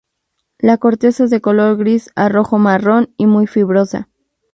La corteza es de color gris a rojo-marrón y muy fibrosa.